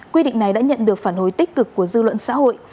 quy định này đã nhận được phản hồi tích cực của dư luận xã hội